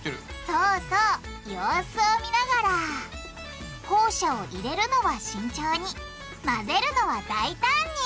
そうそう様子を見ながらホウ砂を入れるのは慎重に混ぜるのは大胆に！